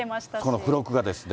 この付録がですね。